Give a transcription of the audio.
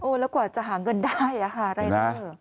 แล้วกว่าจะหาเงินได้ค่ะรายเดอร์